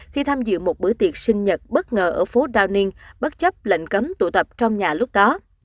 khi tham dự một bữa tiệc sinh nhật bất ngờ ở phố downing bất chấp lệnh cấm tụ tập trong nhà lúc đó